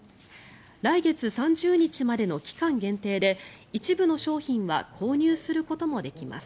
来月３０日までの期間限定で一部の商品は購入することもできます。